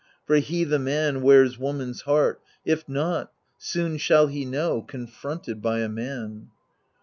For he, the man, wears woman's heart ; if not. Soon shall he know, confronted by a man.